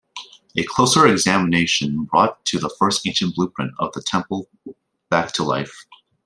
A closer examination brought the first ancient blueprint of a temple back to life.